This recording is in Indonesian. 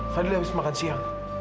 fadil habis makan siang